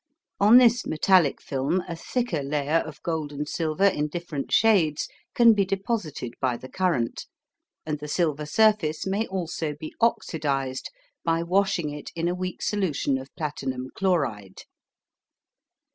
On this metallic film a thicker layer of gold and silver in different shades can be deposited by the current, and the silver surface may also be "oxidised" by washing it in a weak solution of platinum chloride.